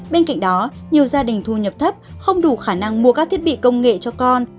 bên cạnh đó nhiều gia đình thu nhập thấp không đủ khả năng mua các thiết bị công nghệ cho con